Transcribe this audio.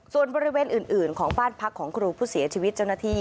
ส่วนบริเวณอื่นของบ้านพักของครูผู้เสียชีวิตเจ้าหน้าที่